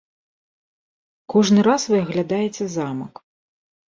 Кожны раз вы аглядаеце замак.